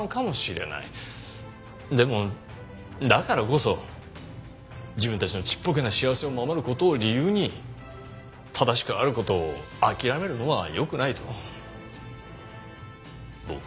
でもだからこそ自分たちのちっぽけな幸せを守る事を理由に正しくある事を諦めるのは良くないと僕は思います。